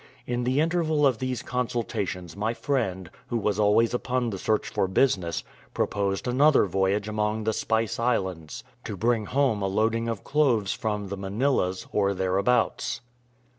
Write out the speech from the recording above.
In the interval of these consultations, my friend, who was always upon the search for business, proposed another voyage among the Spice Islands, to bring home a loading of cloves from the Manillas, or thereabouts.